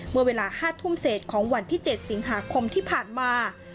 เมื่อเวลา๕ทุ่มเศษของวันที่๗สิงหาคมที่ผ่านมา